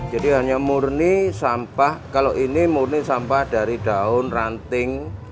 jadi hanya murni sampah kalau ini murni sampah dari daun ranting